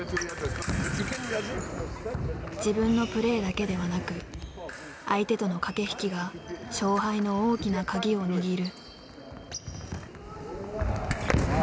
自分のプレーだけではなく相手との駆け引きが勝敗の大きな鍵を握る。